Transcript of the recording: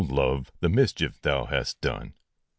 LOVE ! the mischief thou hast done